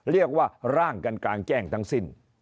เรียกว่าร่างกันกลางแจ้งทั้งสิ้น